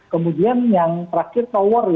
kemudian yang terakhir tower